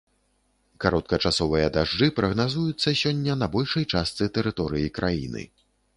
Кароткачасовыя дажджы прагназуюцца сёння на большай частцы тэрыторыі краіны.